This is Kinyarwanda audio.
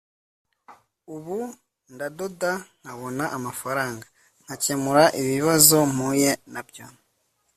ubu ndadoda nkabona amafaranga nkakemura ikibazo mpuye nacyo